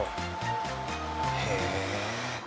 へえ。